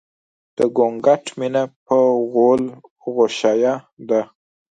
د ګونګټ مينه په غول غوشايه ده